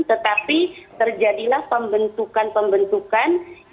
tetapi terjadilah pembentukan pembentukan pembentukan pembentukan